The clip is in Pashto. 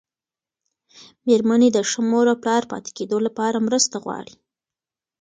مېرمنې د ښه مور او پلار پاتې کېدو لپاره مرسته غواړي.